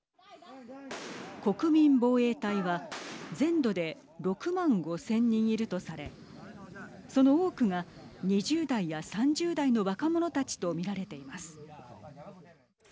国民防衛隊は、全土で６万５０００人いるとされその多くが２０代や３０代の若者たちと見られています。